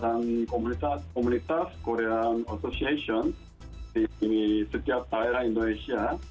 dan komunitas komunitas korean association di setiap daerah indonesia